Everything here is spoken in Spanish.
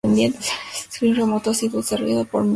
El scripting remoto ha sido desarrollado por Microsoft.